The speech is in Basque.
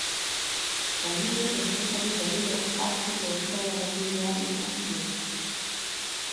Langileek enpresari berriro hartzeko eskaera egin behar izan zioten.